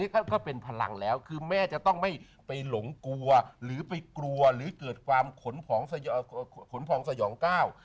ก็เป็นพลังแล้วคือแม่จะต้องไม่ไปหลงกลัวหรือไปกลัวหรือเกิดความขนผองขนพองสยองก้าว